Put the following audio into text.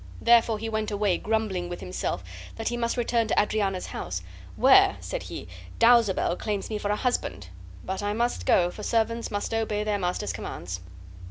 Therefore he went away, grumbling within himself that he must return to Adriana's house, "Where," said he, "Dowsabel claims me for a husband. But I must go, for servants must obey their masters' commands."